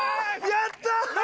やったー！